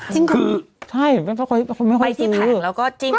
จริงหรอคือใช่มันก็ค่อยไม่ค่อยซื้อไปที่ผ่านแล้วก็จริง